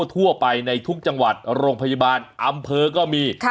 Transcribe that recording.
ทั่วไปในทุกจังหวัดโรงพยาบาลอำเภอก็มี